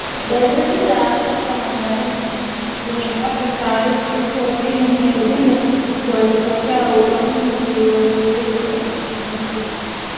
Gazeti la Afrika Mashariki limepata taarifa kuwa Kenya na Uganda walikataa uamuzi wa zoezi la uhakiki.